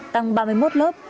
tăng ba mươi một lớp